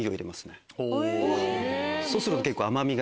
そうすると結構。